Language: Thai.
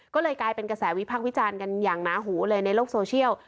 ก็เลยกลายเป็นกระแสวิพักษ์วิจารณ์กันอย่างหนาหูเลยในโลกโซเชียล